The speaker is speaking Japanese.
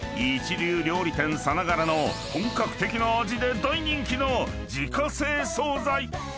［一流料理店さながらの本格的な味で大人気の自家製惣菜］